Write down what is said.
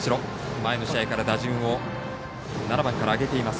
前の試合から打順を７番から上げています。